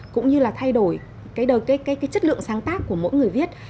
cũng như là thay đổi cái chất lượng sáng tác của mỗi người viết